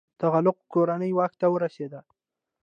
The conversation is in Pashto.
تغلق کورنۍ واک ته ورسیده.